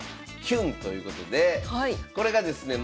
「きゅん」ということでこれがですね